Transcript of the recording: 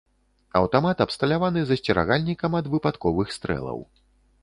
Аўтамат абсталяваны засцерагальнікам ад выпадковых стрэлаў.